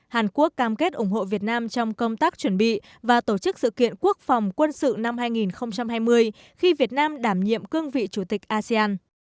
hàn quốc cam kết ủng hộ việt nam trong công tác chuẩn bị và tổ chức sự kiện quốc phòng quân sự năm hai nghìn hai mươi khi việt nam đảm nhiệm cương vị chủ tịch asean